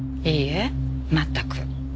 いいえ全く。